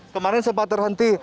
kemarin sempat terhenti